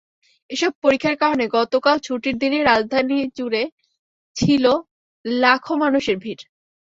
এসব পরীক্ষার কারণে গতকাল ছুটির দিনে রাজধানীজুড়ে ছিল লাখো মানুষের ভিড়।